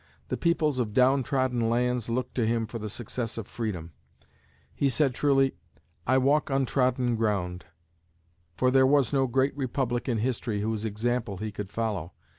The peoples of down trodden lands looked to him for the success of freedom. He said truly, "I walk untrodden ground," for there was no great republic in history whose example he could follow.